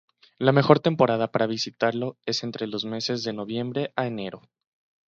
La mejor temporada para visitarlo es entre los meses de noviembre a enero.